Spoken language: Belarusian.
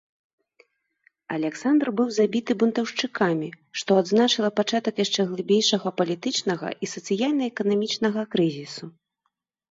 Аляксандр быў забіты бунтаўшчыкамі, што адзначыла пачатак яшчэ глыбейшага палітычнага і сацыяльна-эканамічнага крызісу.